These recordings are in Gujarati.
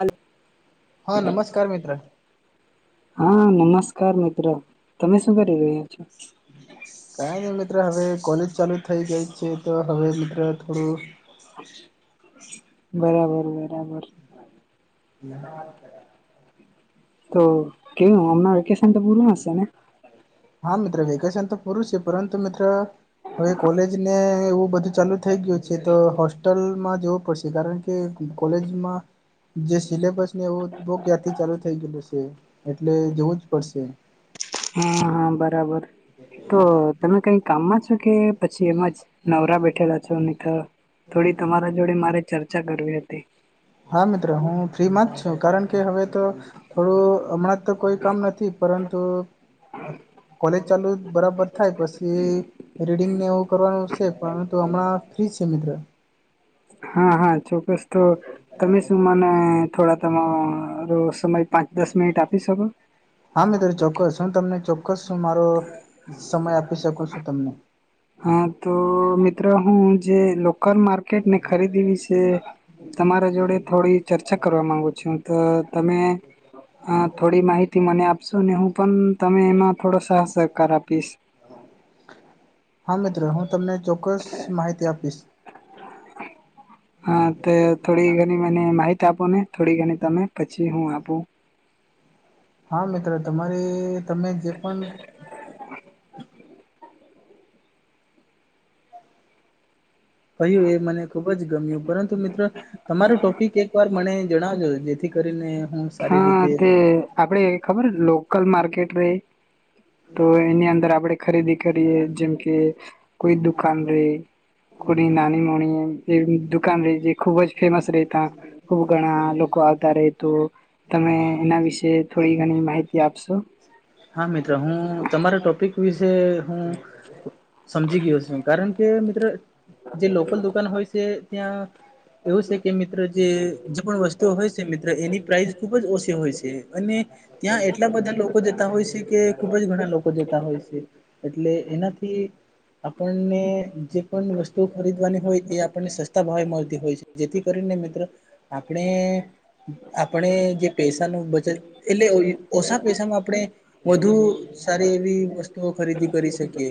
હલો હા નમસ્કાર મિત્ર હા નમસ્કાર મિત્ર તમે શું કરી રહ્યા છો. કાઈ નહી મિત્ર હવે કોલેજ ચાલુ થઈ ગયી છે તો હવે મિત્ર થોડુ હચ બરાબર બરાબર [unintelligible] તો કેવું અમણા વેકેશનતો પૂરુ હશે ને હા મિત્ર વેકેશન તો પુરુ છે, પરત મિત્ર હવે કોલેજ ને એવુ બધુ ચાલુ થઈ ગયુ છે, તો હોસ્ટેલમાં જવું પડશે કારણ કે કોલેજમા જે સિલેબસ ને એવુ, બો કયાારથી ચાલુ થઇ ગયેલુ છે, એટલે જવું જ પડશે હા હા બરાબર તો તમે કઈ કામમાં છો કે પછી એમાં જ નવરા બેઠેલા છો, તો થોડી તમારા જોડે મારે ચર્ચા કરવી હતી. હા મિત્રો હુ ફ્રીમાં જ છુ, કારણ કે હવે તો થોડું હમણાં તો કોઈ કામ નથી પરતુ કોલેજ ચાલુ બરાબર થાય પછી રીડિંગ ને એવુ કરવાનું છે, પરતુ હમણા ફ્રી છે મિત્ર હા હા ચોક્કસ તો તમે શું માના થોડા તમે રો સમય પાંચ દસ મિનિટ આપી શકો હા મિત્ર ચોક્કસ હુ તમને ચોક્કસ મારો સમય આપી શકુ છુ, તમને હા તો મિત્રો હુ, જે લોકલ માર્કેટ ને ખરીદીવી છે. તમારા જોડે થોડી ચર્ચા કરવા માંગુ છુ, હતો તમે થોડી માહિતી મને આપ સું ને હું પણ તમે એમાં થોડો સાહસ સહકાર આપીશ હા મિત્ર હું તમને ચોક્કસ માહિતી આપીશ હા તે થોડી ઘણી મને માહિતી આપો ને થોડી ઘણી તમે પછી હું આપું હા મિત્ર તમારે તમે જે પણ [unintelligible] કહ્યું એ મને ખુબ જ ગમ્યું પરંતુ મિત્રો તમારો ટોપિક એક એક વાર મને જણાવજો જેથી કરીને હું સારી હા રીતે તે આપડે ખબર લોકલ માર્કેટ ર તો એની અંદર આપડે ખરીદી કરીએ જેમ કે કોઈ દુકાન ર કોની નાની મોની એ દુકાન ર જે ખુબ જ ફેમસ રહે ત ખુબ ઘણા લોકો આવતા રઈું તમે એના વિશે થોડી ઘણી માહિતી આપશો હા મિત્રો હું તમારા ટોપિક વિશે હું સમજી ગયો છે કારણ કે મિત્ર જે લોકલ દુકાન હોય છે ત્યાં એવું છે કે મિત્ર જે જે પણ વસ્તુઓ હોય છે મિત્ર એની પ્રાઇસ ખુબ જ ઓછી હોય છે અને ત્યાં એટલા બધા લોકો જતા હોય છે કે ખુબ જ ઘણા લોકો જતા હોય છે એટલે એનાથી આપણને જે પણ વસ્તુ ખરીદવાની હોય એ આપણને સસ્તા ભાવે મળતી હોય છે જેથી કરીને મિત્રો આપણે આપણે જે પૈસા ન બચત એટલે ઓછા પૈસામાં આપણે વધુ સારી એવી તો ખરીદી કરી શકીએ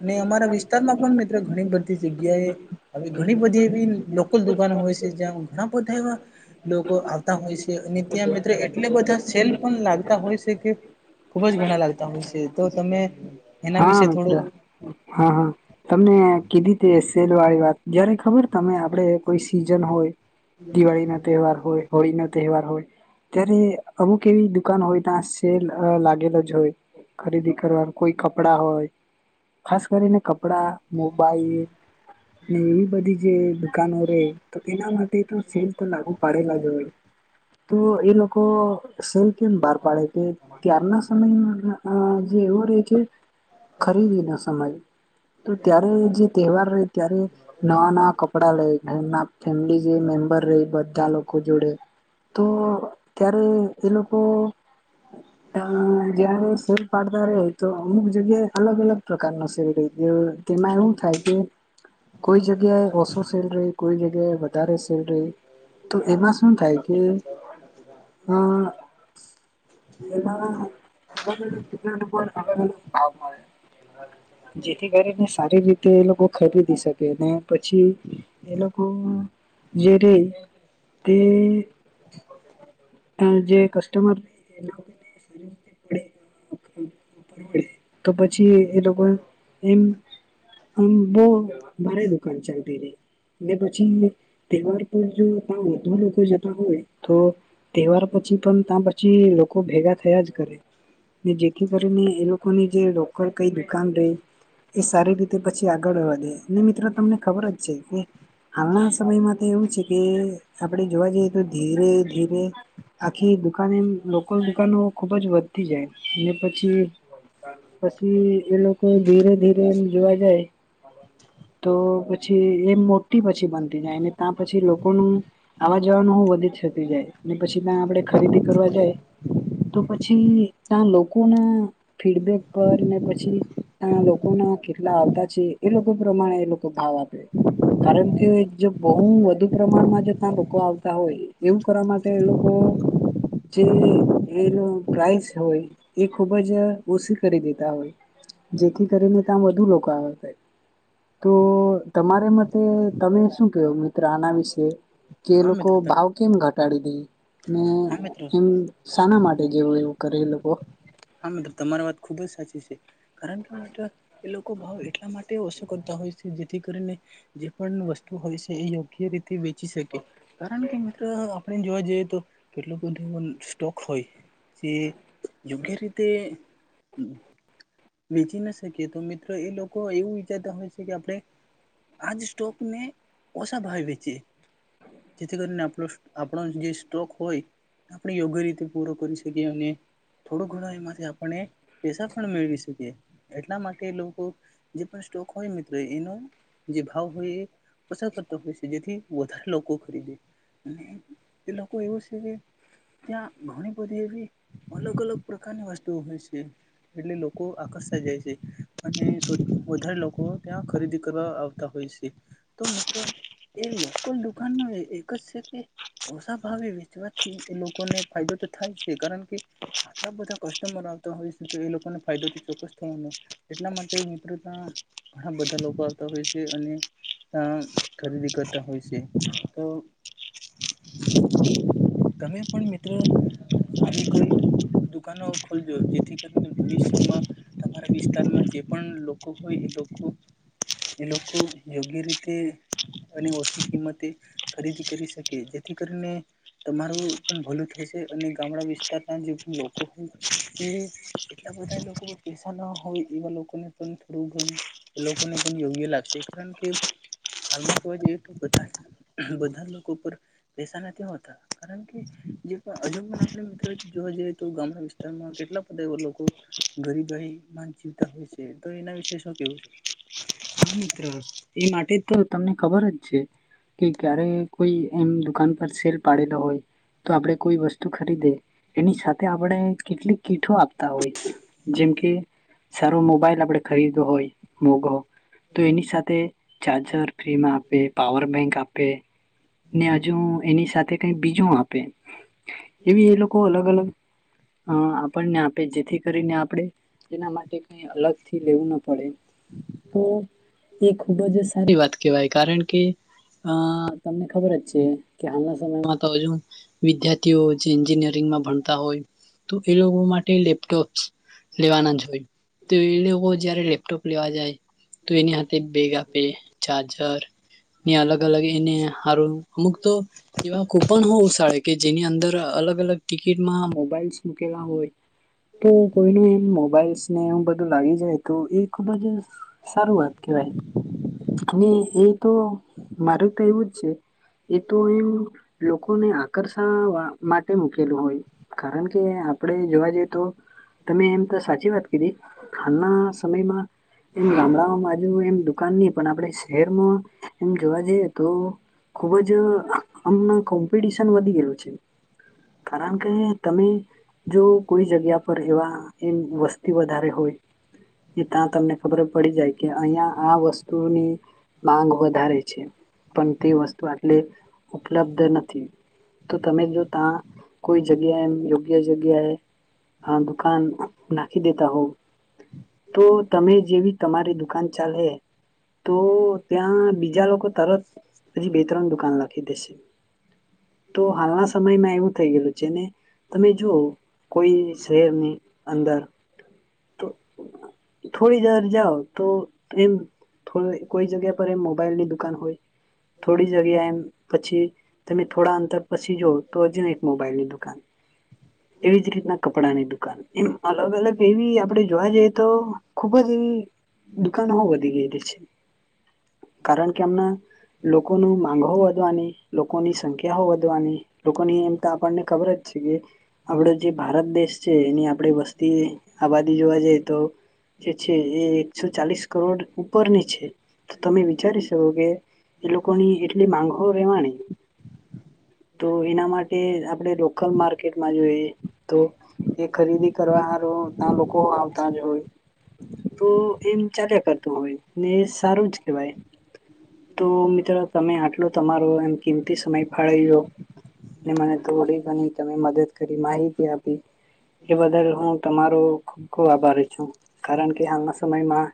અને અમારા વિસ્તારમાં પણ મિત્રો ઘણી બધી જગ્યાએ હ ઘણી બધી એવી લ દુકકાાન હોય છે જ્યાં ઘણા બધા એવા લોકો આવતા હોય છે અને ત્યાં મિત્રો એટલે બધા સેલ પણ લાગતા હોય છે કે ખુબ જ ઘણા લાગતા હોય છે તો તમે એના હા વિશે થોડું મિત્ર હા હા તમને કીધી ત સેલ વાળી વાત જયારે ખબર તમે આપડે કોઈ સિઝન હોય દિવાળી નો તહેવાર હોય હોળી નો તહેવાર હોય ત્યારે અમુક એવી દુકાન હોય ત્યાં સેલ લાગેલ જ હોય ખરીદી કરવાનું કોઈ કપડાં હોય ખાસ કરીને કપડા મોબાઈલ ને એવી બધી જે દુકાનો રે તો તેના માટે તો સેલ તો લાગુ પાડેલા જ હોય તો એ લોકો સેમ કેમ બહાર પાડે કે ત્યારના સમયમાં જે એવો રે છે ખરીદી ના સમ તો ત્યારે જે તહેવાર રહે ત્યારે ના ના કપડા લે ઘરના ફેમિલી જે મેમ્બર રહી બધા લોકો જોડે તો ત્યારે એ લોકો. અ જયારે શેર પાડતા ર તો અમુક જગ્યાએ અલગ અલગ. પ્રકાર નો શેરડી ગયો તેમાં એું થાય કે. કોઈ જગ્યાએ ઓછો સેલરી કોઈ જગ્યાએ વધારે સેલરી. તો એમાં શું થાય કે અ. એના અલગ અલગ અલગ અલગ ભાવ. મળે જેથી કરીને સારી રીતે એ લોકો ખરીદી શકે. પછી એ લોકો જે રે તે. જે કસ્ટમર. પરવળ. ી એ લોકો એમ આમ બહ ભારે દુકાન ચાલતી રહી. ને પછી તહેવાર પર જો તા વધુ લોકો જતા હોય તો. તહેવાર પછી પણ ત્યા પછી લોકો ભેગા થયા જ કરે. જેથી કરીને એ લોકોની જે રોકડ કઈ દુકાન રહી. એ સારી રીતે પછી આગળ હોવા દે ને મિત્રો તમને ખબર જ છે કે. હાલના સમયમાં તો એવું છે કે આપણે જોવા જઈએ તો ધીરે ધીરે. આખી દુકાને લોકલ દુકાનો ખુબ જ વધતી જાય ને પછી. પછી એ લોકો ધીરે ધીરે એમ જોવા જાય. હ. તો પછી એ મોટી પછી બનતી જાય ત્યાં પછી લોકોનું. આવા જવાનું હું વધી જ થતું જાય ને પછી ત્યાં આપડે ખરીદી કરવા જાય. તો પછી તા લોકો ના ફીડબેક. પર ને પછી ત લોકો ના કેટલા આવતા છે એ લોકો પ્રમાણે એ લોકો ભાવ આપે. કારણ કે જો બહુ વધુ પ્રમાણમાં ત્યાં લોકો આવતા હોય એવું કરવા માટે લો કો જે પ્રસ હોય એ ખુબ જ [unintelligible] કરી દેતા હોય જેથી કરીને તા વધુ લોકો આવે છે તો તમારે મતે તમે શું કહો મિત્ર આના વિશે. કે એ હા લોકો મિત્ર ભાવ કેમ ઘટાડી દે ને હા મિત્ર એમ. શાના માટે જેવું એવું કરે એ લોકો. હા મિત્ર તમારી વાત ખુબ જ સાચી છે કારણ કે મિત્ર એ લોકો ભાવ એટલા મા તે ઓછો કરતા હોય છે જેથી કરીને જે પણ વસ્તુ હોય છે એ યો ગ્ય રીતે વેચી શકે કારણ કે મિત્ર. આપડે જોવા જઈએ તો કેટલુંક બધું એ સ્ટોક હોય જે યોગ્ય રી કે હ વેચી ના શકીએ તો મિત્રો એ લોકો એવું વિચારતા હોય છે કે આપડે આજ સ્ટોકને ઓછા ભાવે વેચીયે જેથી કરીને આપડો આપણો જે સ્ટોક હોય. આપણે યોગ્ય રીતે પૂરો કરી શકીએ અને. થોડું ઘણું એમાંથી આપણને પેસા પણ મેળવી શ કિયે એટલા માટે લોકો જે પણ સ્ટોક હોય મિત્ર એનો જે ભાવ હોય એ. ઓછ કરતા હોય છે જેથી વધારે લોકો ખરીદે. અને એ લોકો એવું છે કે. ત્યાં ઘણી બધી એવી અલગ અલગ પ્રકારની વસ્તુઓ હોય છે એટલે લોકો. આકર્ષતા જાય છે અને વધારે લોકો ત્યાં ખરીદી કરવા આવતા હોય છે. તો મિત્ર એ લોકલ દુકાન નું એક જ છે કે. ઓછા ભાવે વેચવાથી એ લોકોને ફાયદો તો થાય છે કારણ કે. આટલા બધા કસ્ટમરો આવતા હોય છે તો એ લોકોને ફાયદો. ચોક્કસ થવાનું એટલા માટે મિત્રતા ઘણા બધા લોકો આવતા હોય છે અને. તા ખરીદી કરતા હોય છે તો. [inaudible] તમે પણ મિત્ર આવી કોઈ દુકાનો ખોલજો જેથી કરીને ભવિષ્યમાં અમારા વિસ્તારમાં જે પણ લોકો હોય એ લોકો એ લોકો યોગ્ય રીતે અને ઓછી કિંમતે ખરીદી કરી શકે જેથી કરીને તમારું પણ ભલું થશે અને ગામડા વિસ્તારના જે પણ લોકો હોય તે એટલા બધા એ લોકો પૈસા ના હોય એવા લોકોને પણ થોડું ઘણું લોકોને પણ યોગ્ય લાગશે કારણ કે હાલમાં જોવા જઈએ તો બધા [unintelligible] બધા લોકો પર પૈસા નથી હોતા કારણ કે જે પણ હજુ પણ આપણે મિત્રો જોવા જઈએ તો ગામડા વિસ્તારમાં કેટલા બધા એવા લોકો ગરીબાઈમા જીવતા હોય છે તો એના વિશે શું કેહવું છે એ માટે ત, તમને ખબર જ છે. કે ક્યારે કોઈ એમ દુકાન પર સેલ પાડેલો હોય. તો આપડે કોઈ વસ્તુ ખરીદે. એની સાથે આપણે કેટલીક કીઠો આપતા હોય, જેમ કે સારો મોબાઈલ આપડે ખરીદવો હોય, મોઘો. તો એની સાથે ચાર્જર ફ્રી માં આપે, પાવર બેંક આપે. ને હજુ એની સાથે કઈ બીજું આપે, એવી એ લોકો અલગ અલગ હ આપણને આપે, જેથી કરીને આપડે એના માટે કઈ અલગ થી લેવું ન પડે. તો એ ખૂબ જ સારી વાત કેવાય, કારણ કે અ તમને ખબર જ છે, કે હાલના સમયમાં તો હજુ વિદ્યાર્થીઓ જે એન્જિનિયરિંગમાં ભણતા હોય. તો એ લોકો માટે લેપટોપ્સ લેવાના જ હોય. તો એ ળોકો જયારે લેપટોપ લેવા જાય. તો એની હાથે બેગ આપે, ચાર્જર,.... ને અલગ અલગ એને હારું મુક તો એવા કુપન હુ ઉશાળે, કે જેની અંદર અલગ અલગ ટિકિટમાં મોબાઈલ્સ મૂકેલા હોય, તો કોઈ ને એમ મોબાઈલ્સ ને એવ બધું લાગી જાય તો, એ ખુબ જ સારું વાત કેવાય. અને એક તો મારું તો એવું જ છે, એ તો એમ લોકોને આકર્ષવા માટે મૂકેલું હોય, કારણ કે આપડે જોવા જઈએ તો તમે એમ તો સાચી વાત કીધી. હાલના સમયમાં એમ ગામડાઓમાં બાજુ એમ દુકાન ની પણ આપણે શેરમાં એમ જોવા જઈએ તો. ખુબ જ હમના કોમ્પિટિશન વધી ગેલુ છે. કારણ કે તમે જો કોઈ જગ્યા પર એવા એમ વસ્તી વધારે હોય, એ તા તમને ખબર પડી જાય, કે અઈયાં આ વસ્તુઓની માંગ વધારે છે. પન તે વસ્તુ આટલે ઉપલબ્ધ નથી. તો તમે જો તા કોઈ જગ્યા એમ યોગ્ય જગ્યાએ હ દુકાન નાખી દેતા હો, તો તમે જેવી તમારી દુકાન ચાલે, તો ત્યાં બીજા લોકો તરત હજી બે ત્રણ દુકાન લાખી દેશે. તો હાલના સમયમાં એવું થઈ ગયેલું છે ને, તમે જુવો. કોઈ શેહેરની અંદર તો થોડી જ જાઓ તો એમ થો કોઈ જગ્યા પર એ મોબાઈલ ની દુકાન હોય. થોડી જગ્યા, એમ પછી તમે થોડા અંતર પછી જુઓ, તો હજુ ને એક મોબાઈલની દુકાન. એવી જ રીતના કપ કપડાની દુકાન એમ અલગ અલગ એવી આપડે જોવા જઈએ, તો ખુબ જ એવી દુકાન હો વધી ગયલી છે કારણ કે અમના લોકોનું મા માંગ હો વધવાની, લોકોની સંખ્યા હો વધવાની, લોકોની એમ તો આપણને ખબર જ છે કે આપડે જે ભારત દેશ છે, એની આપડે વસ્ તે આબાદી જોવા જાય તો જે છે. એ એકસો ચલીસ કરોડ ઉપરની છે. તો તમે વિચારી શકો કે એ લોકોની એટલી માંગ હો રેવાણી. તો એના માટે આપણે લોકલ માર્કેટમાં જોઈએ, તો એ ખરીદી કરવા હારું, આ લોકો હો આવતાં જ હોય. તો એમ ચાલ્યા કરતું હોય ને એ સારું જ કહેવાય. તો મિત્ર તમે આટલો તમારો એમ કિંમતી સમય ફાળવ્યો ને મને થોડી ઘણી તમે મદદ કરી માહિતી આપી. એ બદલ હું તમારો ખૂબ ખૂબ આભારી છું, કારણ કે હાલના સમયમાં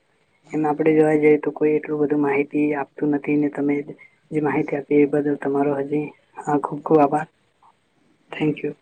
એમ આપડે જોવા જઈએ તો કોઈ એટલું બધું માહિતી આપતું નથી ને તમે એ માહિતી આપીએ એ બદલ તમારો હજી અ ખુબ ખુબ આભાર, થેન્કયુ.